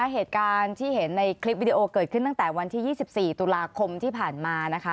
เหตุการณ์ที่เห็นในคลิปวิดีโอเกิดขึ้นตั้งแต่วันที่๒๔ตุลาคมที่ผ่านมานะคะ